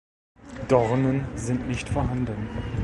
Dornen sind nicht vorhanden.